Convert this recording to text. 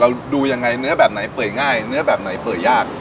ดูยังไงเนื้อแบบไหนเปื่อยง่ายเนื้อแบบไหนเปิดยาก